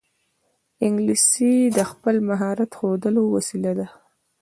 انګلیسي د خپل مهارت ښودلو وسیله ده